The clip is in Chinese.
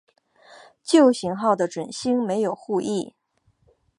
旧型号的准星没有护翼。